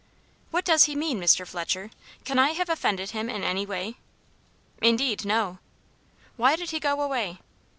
"What does he mean, Mr. Fletcher? Can I have offended him in any way?" "Indeed, no." "Why did he go away?"